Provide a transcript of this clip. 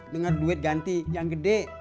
dengar duit ganti yang gede